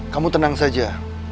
kamu tenang saja